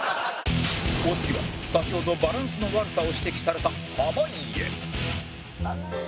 お次は先ほどバランスの悪さを指摘された濱家